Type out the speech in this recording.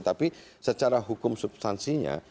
tapi secara hukum substansinya